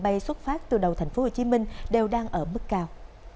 bay xuất phát từ đầu thành phố hồ chí minh đều đang ở mức cao